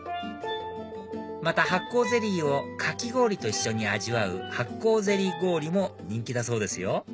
また発酵ゼリーをかき氷と一緒に味わう発酵ゼリー氷も人気だそうですよ